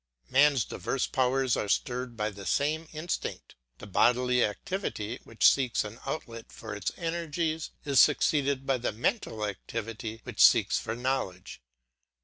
Man's diverse powers are stirred by the same instinct. The bodily activity, which seeks an outlet for its energies, is succeeded by the mental activity which seeks for knowledge.